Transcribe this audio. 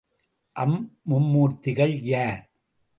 அம் மும்மூர்த்திகள் யார்?